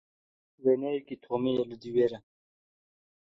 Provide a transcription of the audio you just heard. Wêneyekî Tomî li dîwêr e.